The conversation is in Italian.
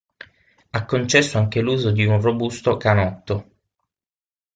Ha concesso anche l'uso di un robusto canotto.